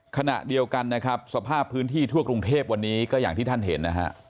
ขณะเดียวกันนะครับสภาพพื้นที่ทั่วกรุงเทพวันนี้ก็อย่างที่ท่านเห็นนะฮะ